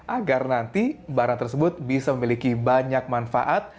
agar nanti barang tersebut bisa memiliki banyak manfaat